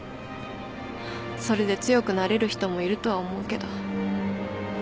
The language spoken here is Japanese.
それで強くなれる人もいるとは思うけど。